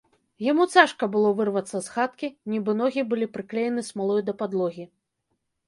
Яму цяжка было вырвацца з хаткі, нібы ногі былі прыклеены смалой да падлогі.